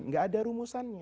tidak ada rumusannya